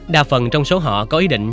đa phần trong số họ có ý định